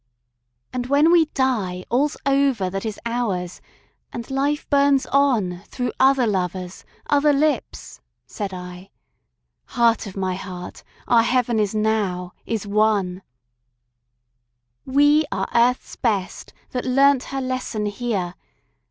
..." "And when we die All's over that is ours; and life burns on Through other lovers, other lips," said I, "Heart of my heart, our heaven is now, is won!" "We are Earth's best, that learnt her lesson here.